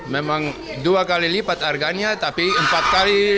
memang dua kali lipat harganya tapi empat kali lebih enak jadi nggak rugi ya